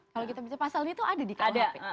kalau kita bicara pasalnya itu ada di kdp